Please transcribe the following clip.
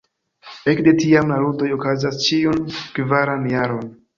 Ekde tiam, la ludoj okazas ĉiun kvaran jaron.